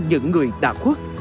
những người đã khuất